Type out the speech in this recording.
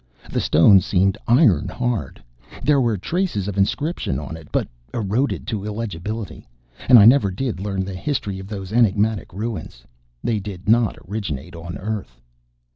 The stone seemed iron hard. There were traces of inscription on it, but eroded to illegibility. And I never did learn the history of those enigmatic ruins.... They did not originate on Earth.